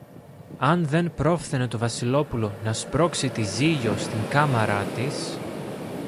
αν δεν πρόφθαινε το Βασιλόπουλο να σπρώξει τη Ζήλιω στην κάμαρα της